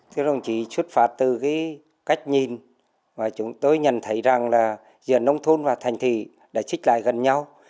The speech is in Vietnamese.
thưa ông chỉ xuất phát từ cách nhìn mà chúng tôi nhận thấy rằng là giữa nông thôn và thành thị đã trích lại gần nhau